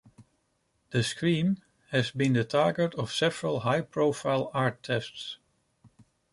"The Scream" has been the target of several high-profile art thefts.